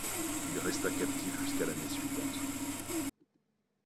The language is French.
Il resta captif jusqu'à l'année suivante.